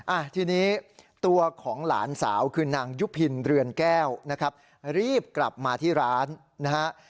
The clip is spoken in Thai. อ่ะทีนี้ตัวของหลานสาวคือนางยุพินเรือนแก้วนะครับรีบกลับมาที่ร้านนะฮะ